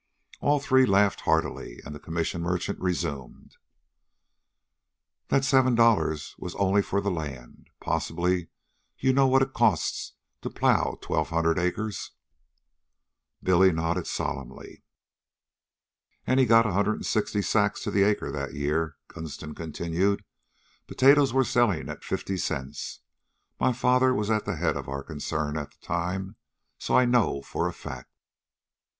All three laughed heartily and the commission merchant resumed: "That seven dollars was only for the land. Possibly you know what it costs to plow twelve hundred acres?" Billy nodded solemnly. "And he got a hundred and sixty sacks to the acre that year," Gunston continued. "Potatoes were selling at fifty cents. My father was at the head of our concern at the time, so I know for a fact.